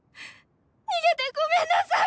逃げてごめんなさい！